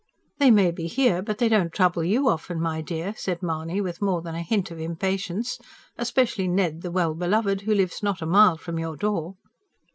"They may be here, but they don't trouble YOU often, my dear," said Mahony, with more than a hint of impatience. "Especially Ned the well beloved, who lives not a mile from your door."